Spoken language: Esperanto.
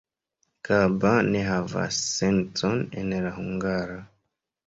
Kaba ne havas sencon en la hungara.